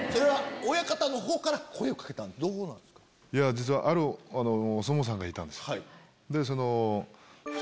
実はあるお相撲さんがいたんです。